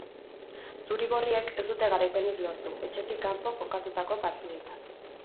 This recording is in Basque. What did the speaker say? Zuri-gorriek ez dute garaipenik lortu etxetik kanpo jokatutako partidetan.